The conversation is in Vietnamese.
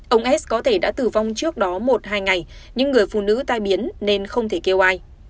ông s có thể đã tử vong trước đó một hai ngày những người phụ nữ tai biến nên không thể kêu ai